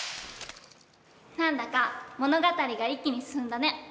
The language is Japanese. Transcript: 何だか物語が一気に進んだね。